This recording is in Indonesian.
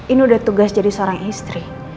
ini udah tugas jadi seorang istri